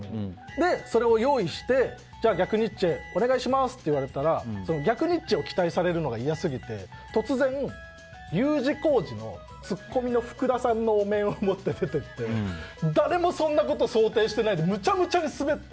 それを用意して逆ニッチェ、お願いしますって言われたら逆ニッチェを期待されるのが嫌すぎて突然Ｕ字工事の福田さんのお面を持って出て行って誰もそんなこと想定してないのでむちゃむちゃにスベって。